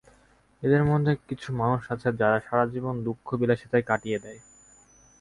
এদের মধ্যে কিছু মানুষ আছে, যারা সারা জীবন দুঃখ-বিলাসিতায় কাটিয়ে দেয়।